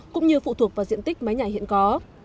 cũng như phụ thuộc vào diện tích mái nhà hiện có